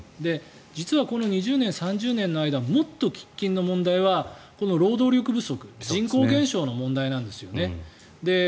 実は、この２０年、３０年の間もっと喫緊の問題は労働力不足人口減少の問題なんですよね。